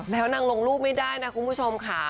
แล้วนางลงรูปไม่ได้นะคุณผู้ชมค่ะ